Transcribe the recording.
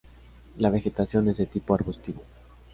La vegetación es de tipo arbustivo.